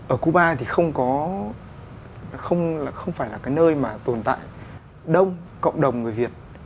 ở cuba thì không có không phải là cái nơi mà tồn tại đông cộng đồng người việt